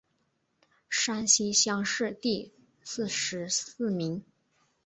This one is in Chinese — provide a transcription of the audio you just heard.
山西乡试第四十四名。